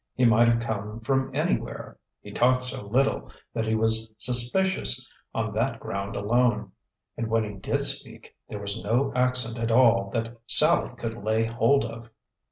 He might have come from anywhere; he talked so little that he was suspicious on that ground alone; and when he did speak, there was no accent at all that Sallie could lay hold of.